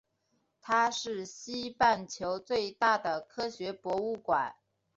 它是西半球最大的科学博物馆。